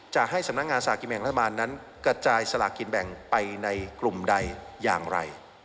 จะให้สำนักงานสลากกินแบ่งรัฐบาลนั้นกระจายสลากินแบ่งไปในกลุ่มใดอย่างไร